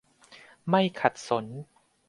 ไม่ขัดสน